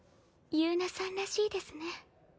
友奈さんらしいですね。